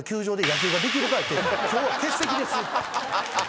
「今日は欠席です」